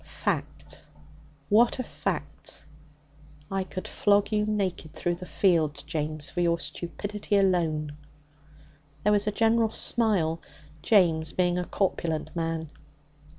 'Facts! What are facts? I could flog you naked through the fields, James, for your stupidity alone.' There was a general smile, James being a corpulent man.